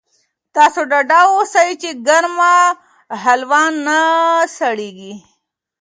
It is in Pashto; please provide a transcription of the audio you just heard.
تاسو ډاډه اوسئ چې ګرمه هلوا نه سړېږي.